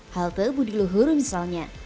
halte budiluhuru misalnya